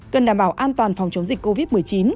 cần đảm bảo an toàn phòng chống dịch covid một mươi chín